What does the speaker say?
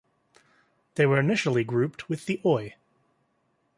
They were initially grouped with the Oi!